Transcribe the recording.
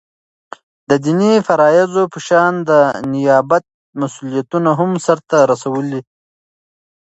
دديني فرائضو په شان دنيابت مسؤليتونه هم سرته رسوي ولي